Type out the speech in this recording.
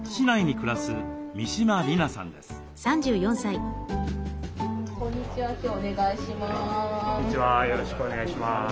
よろしくお願いします。